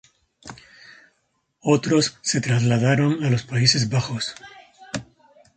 Otros se trasladaron a los Países Bajos.